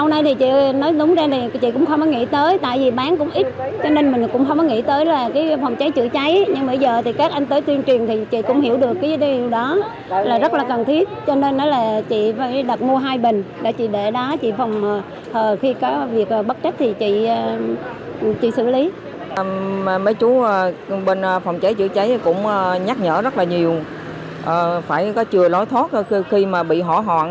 mấy chú bên phòng cháy chữa cháy cũng nhắc nhở rất là nhiều phải có chừa lối thoát khi mà bị họ họn